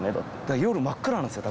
夜真っ暗なんですよ